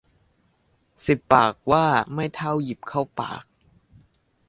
สิบปากว่าไม่เท่าหยิบเข้าปาก